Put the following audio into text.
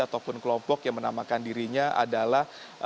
ataupun kelompok yang menamakan dirinya adalah